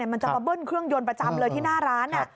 มันจะมาเบิ้ลเครื่องยนต์ประจำเลยที่หน้าร้าน